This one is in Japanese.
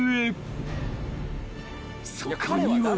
［そこには］